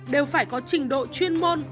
đều phải có trình độ chuyên môn